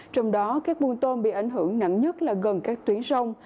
trong đó các vùng tôm bị ảnh hưởng nặng nhất là gần các tuyến rông